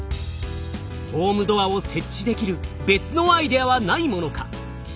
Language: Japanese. ホームドアを設置できる別のアイデアはないものか？